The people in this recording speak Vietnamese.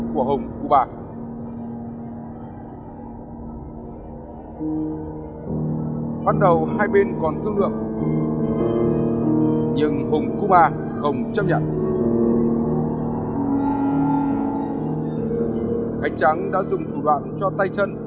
khánh trắng đã dùng thủ đoạn cho tay chân